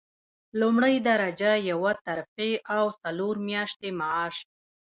لومړۍ درجه یوه ترفیع او څلور میاشتې معاش.